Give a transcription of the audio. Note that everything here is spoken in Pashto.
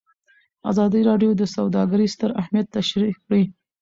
ازادي راډیو د سوداګري ستر اهميت تشریح کړی.